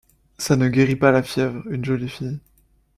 Ça ne guérit pas la fièvre, une jolie fille.